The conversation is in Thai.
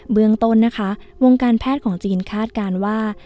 เมืองต้นนะคะวงการแพทย์ของจีนคาดการณ์ว่า